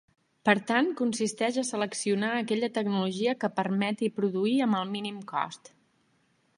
Per tant consisteix a seleccionar aquella tecnologia que permeti produir amb el mínim cost.